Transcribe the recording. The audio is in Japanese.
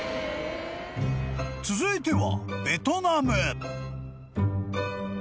［続いては］